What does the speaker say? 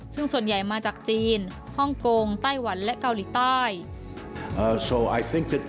ซึ่งส่วนใหญ่มาจากจีนฮ่องกงไต้หวันและเกาหลีใต้